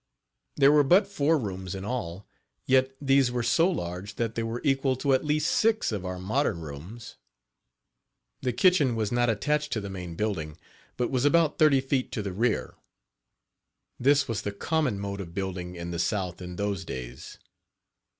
There were but four rooms in all, yet these were so large that they were equal to at least six of our modern rooms. The kitchen was not attached to the main building, but was about thirty feet to the rear. This was the common mode of building in the south in Page 17 those days.